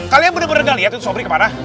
kalian bener bener gak liat itu sobri kemana